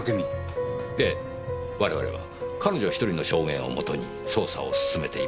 我々は彼女１人の証言をもとに捜査を進めています。